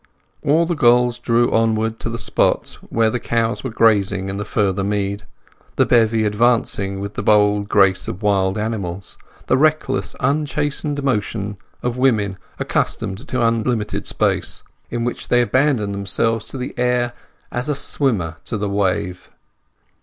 All the girls drew onward to the spot where the cows were grazing in the farther mead, the bevy advancing with the bold grace of wild animals—the reckless, unchastened motion of women accustomed to unlimited space—in which they abandoned themselves to the air as a swimmer to the wave.